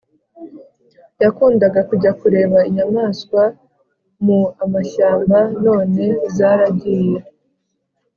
Nakundaga kujya kureba inyamaswa mu amashyamba none zaragiye